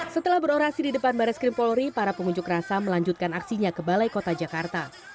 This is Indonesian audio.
setelah berorasi di depan baris krim polri para pengunjuk rasa melanjutkan aksinya ke balai kota jakarta